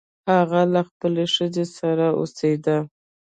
هغه له خپلې ښځې سره اوسیده.